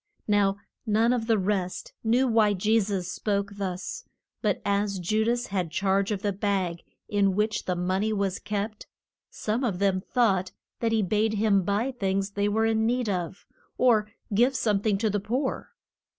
Now none of the rest knew why Je sus spoke thus. But as Ju das had charge of the bag in which the mon ey was kept, some of them thought that he bade him buy things they were in need of, or give some thing to the poor.